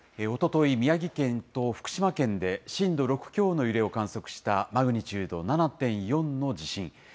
おととい、宮城県と福島県で震度６強の揺れを観測したマグニチュード７．４の地震。